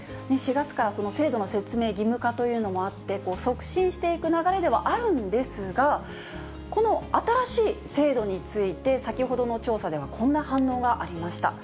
４月から、その制度の説明、義務化というのもあって、促進していく流れではあるんですが、この新しい制度について、先ほどの調査ではこんな反応がありました。